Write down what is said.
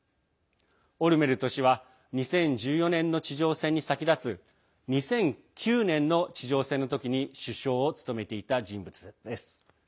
オルメルト氏は２０１４年の地上戦に先立つ２００９年の地上戦の時に首相を務めていた人物です。